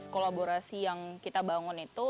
kolaborasi yang kita bangun itu